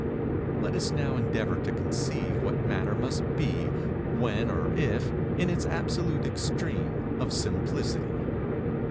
Let us now endeavor to conceive what Matter must be, when, or if, in its absolute extreme of Simplicity.